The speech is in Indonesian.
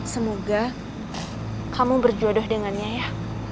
semoga kamu berjodoh dengannya ya